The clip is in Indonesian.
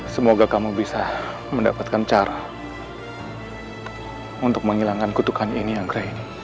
semoga kamu bisa mendapatkan cara untuk menghilangkan kutukan ini anggra ini